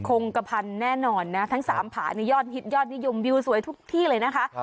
คงกระพันแน่นอนนะทั้ง๓ผานี่ยอดฮิตยอดนิยมวิวสวยทุกที่เลยนะคะ